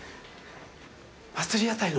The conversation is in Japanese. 祭屋台の？